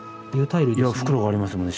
袋がありますもんね